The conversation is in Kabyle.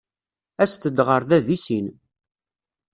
Aset-d ɣer da deg sin.